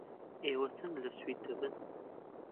ئێوە چەند لە سوید دەبن؟